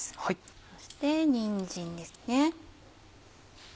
そしてにんじんですね。